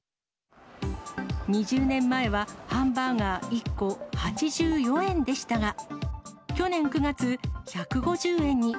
２０年前は、ハンバーガー１個８４円でしたが、去年９月、１５０円に。